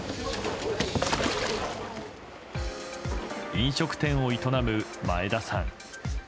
飲食店を営む前田さん。